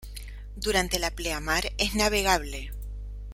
Durante la pleamar es navegable.